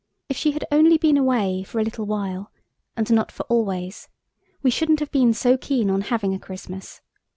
If she had only been away for a little while, and not for always, we shouldn't have been so keen on having a Christmas.